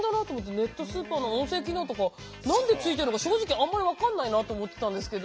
ネットスーパーの音声機能とかなんでついてんのか正直あんまり分かんないなと思ってたんですけど。